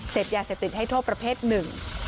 เสพยาเสพติดให้โทษประเภทหนึ่ง